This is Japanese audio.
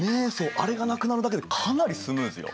あれがなくなるだけでかなりスムーズよ。